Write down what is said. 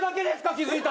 気付いたの。